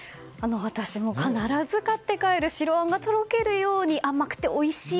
私も必ず買って帰る、白あんがとろけるように甘くておいしい